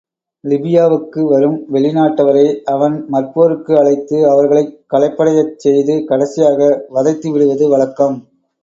லிபியாவுக்கு வரும் வெளிநாட்டவரை அவன் மற்போருக்கு அழைத்து அவர்களைக் களைப்படையச் செய்து, கடைசியாக வதைத்துவிடுவது வழக்கம்.